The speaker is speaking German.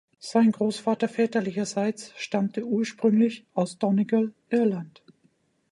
Sein Großvater väterlicherseits stammte ursprünglich aus Donegal, Irland.